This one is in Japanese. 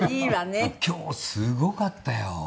谷村：今日すごかったよ。